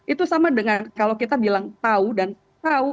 itu sama dengan kalau kita bilang tahu dan tahu